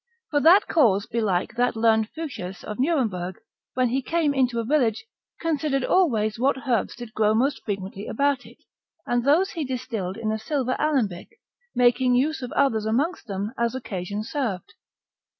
For that cause belike that learned Fuchsius of Nuremberg, when he came into a village, considered always what herbs did grow most frequently about it, and those he distilled in a silver alembic, making use of others amongst them as occasion served.